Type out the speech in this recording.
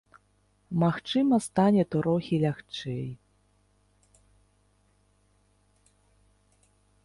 Магчыма, стане трохі лягчэй.